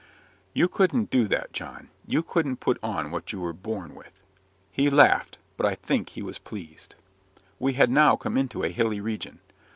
"You couldn't do that, John. You couldn't put on what you were born with." He laughed but I think he was pleased. We had now come into a hilly region.